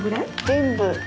全部。